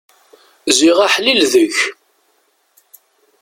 Ziɣ aḥlil deg-k!